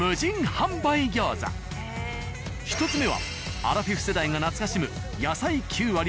１つ目はアラフィフ世代が懐かしむ野菜９割